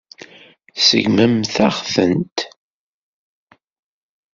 Tseggmemt-aɣ-tent.